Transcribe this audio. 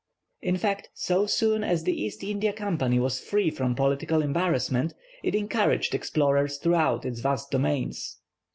In fact, so soon as the East India Company was free from political embarrassments, it encouraged explorers throughout its vast domains.